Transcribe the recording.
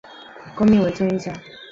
公理命题的真值为真。